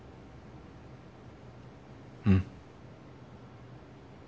うん